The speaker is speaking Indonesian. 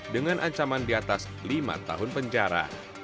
dengan ancaman di atas lima tahun penjara